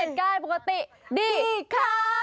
เศรษฐ์กล้าจปกติดีค่า